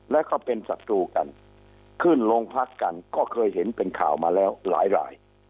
แล้วก็เป็นศัตรูกันขึ้นโรงพักกันก็เคยเห็นเป็นข่าวมาแล้วหลาย